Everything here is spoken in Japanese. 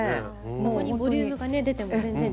ここにボリュームがね出ても全然違うくなりそう。